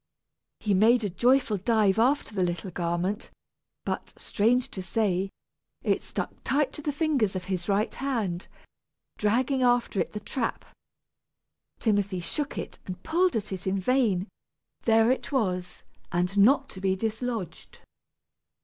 He made a joyful dive after the little garment, but, strange to say, it stuck tight to the fingers of his right hand, dragging after it the trap. Timothy shook it and pulled at it in vain; there it was, and not to be dislodged.